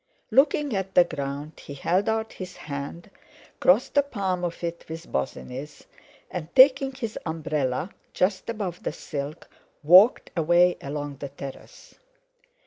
Looking at the ground he held out his hand, crossed the palm of it with Bosinney's, and taking his umbrella just above the silk, walked away along the terrace.